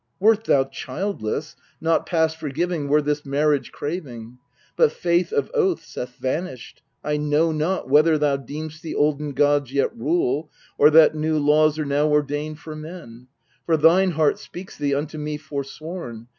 Wert thou childless, Not past forgiving were this marriage craving. But faith of oaths hath vanished. I know not Whether thou deem'st the olden gods yet rule, Or that new laws are now ordained for men ; For thine heart speaks thee unto me forsworn.